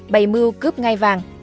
bày mưu cướp ngai vàng